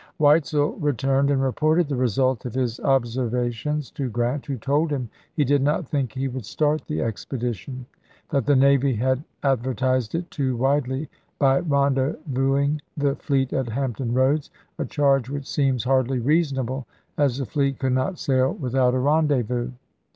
conduct of Weitzel returned and reported the result of his 1864 65.' observations to Grant, who told him he did not Part II., p. es. think he would start the expedition ; that the navy had advertised it too widely by rendezvousing the fleet at Hampton Koads — a charge which seems hardly reasonable, as the fleet could not sail with out a rendezvous.